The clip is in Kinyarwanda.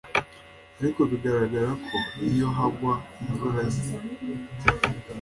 Ariko bigaragara ko iyo hagwa imvura nke